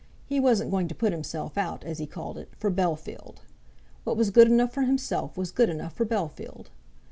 He wasn't going to put himself out, as he called it, for Bellfield! What was good enough for himself was good enough for Bellfield.